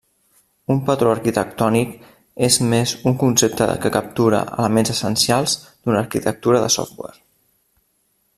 Un patró arquitectònic és més un concepte que captura elements essencials d'una arquitectura de software.